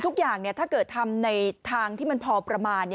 ทุกอย่างถ้าเกิดทำในทางที่มันพอประมาณ